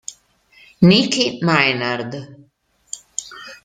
Nicky Maynard